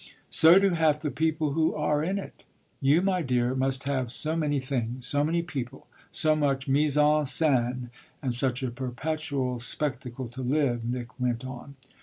"So do half the people who are in it. You, my dear, must have so many things, so many people, so much mise en scène and such a perpetual spectacle to live," Nick went on.